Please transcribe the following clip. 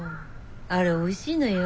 あれおいしいのよ。